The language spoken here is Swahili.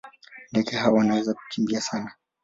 Ndege hawa wanaweza kukimbia sana.